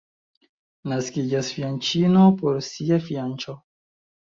Naskiĝas fianĉino por sia fianĉo.